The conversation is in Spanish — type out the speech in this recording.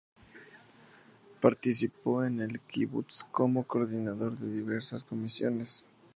Participó en el kibutz como coordinador de diversas comisiones.